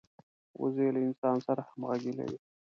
وزې له انسان سره همږغي لري